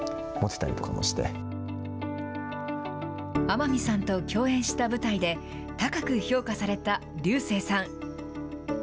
天海さんと共演した舞台で、高く評価された竜星さん。